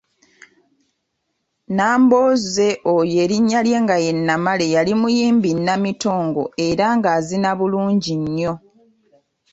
Nambooze oyo erinnya lye nga ye Namale yali muyimbi nnamitongo era ng'azina bulungi nnyo.